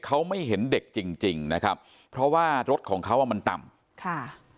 เขาไม่เห็นเด็กจริงนะครับเพราะว่ารถของเขามันต่ำ